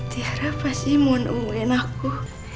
tiara pasti mau nemuin aku